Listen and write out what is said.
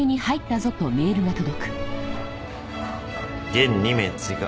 ・弦２名追加。